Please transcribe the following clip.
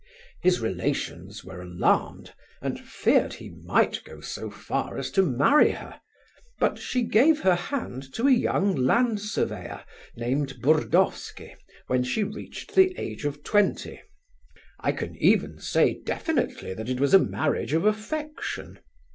His relations were alarmed, and feared he might go so far as to marry her, but she gave her hand to a young land surveyor named Burdovsky when she reached the age of twenty. I can even say definitely that it was a marriage of affection.